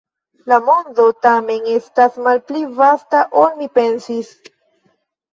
La mondo, tamen, estas malpli vasta, ol mi pensis.